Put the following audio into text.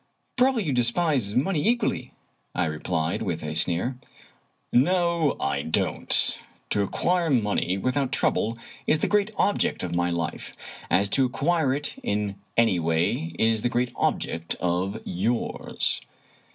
" Probably you despise money equally," I replied, with a sneer. " No, I don't. To acquire money without trouble is the great object of my life, as to acquire it in any way is the great object of yours."